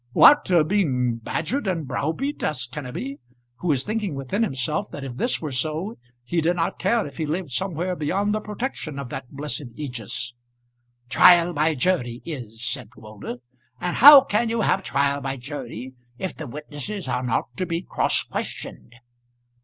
"What! being badgered and browbeat?" asked Kenneby, who was thinking within himself that if this were so he did not care if he lived somewhere beyond the protection of that blessed Ægis. "Trial by jury is," said Moulder. "And how can you have trial by jury if the witnesses are not to be cross questioned?"